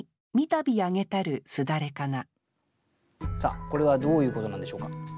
これはどういうことなんでしょうか。